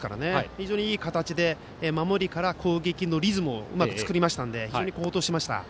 非常にいい形で守りから攻撃のいいリズムを作りましたので非常に好投しました。